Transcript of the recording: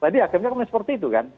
tadi akhirnya kemudian seperti itu kan